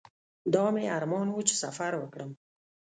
دا مې ارمان و چې سفر وکړم.